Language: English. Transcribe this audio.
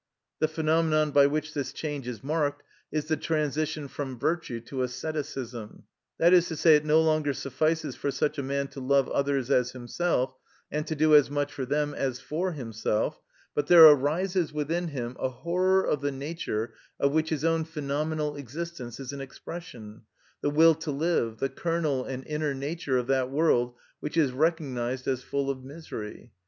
The phenomenon by which this change is marked, is the transition from virtue to asceticism. That is to say, it no longer suffices for such a man to love others as himself, and to do as much for them as for himself; but there arises within him a horror of the nature of which his own phenomenal existence is an expression, the will to live, the kernel and inner nature of that world which is recognised as full of misery.